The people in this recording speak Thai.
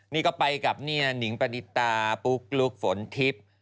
นี่ก็ไปกับเนียไน่งบาริตาปลูกลุกฝนทิศ